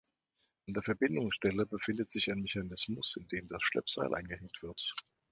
An der Verbindungsstelle befindet sich ein Mechanismus, in den das Schleppseil eingehängt wird.